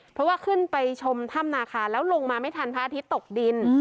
เพราะว่าขึ้นไปชมถ้ำนาคาแล้วลงมาไม่ทันพระอาทิตย์ตกดิน